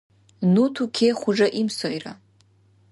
Ну туке хужаим сайра.